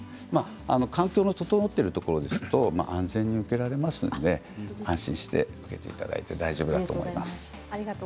環境の整っているところですと安全に受けられますので安心して受けていただいて大丈夫だと思います。